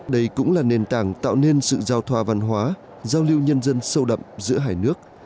đây cũng là nền tảng tạo nên sự giao thoa văn hóa giao lưu nhân dân sâu đậm giữa hải nước